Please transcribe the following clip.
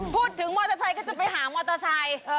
พูดถึงมอเตอร์ไซค์ก็จะไปหามอเตอร์ไซค์